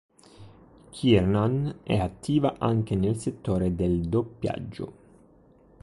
Kiernan è attiva anche nel settore del doppiaggio.